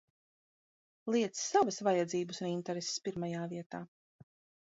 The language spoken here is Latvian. Liec savas vajadzības un intereses pirmajā vietā!